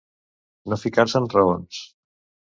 No ficar-se en raons.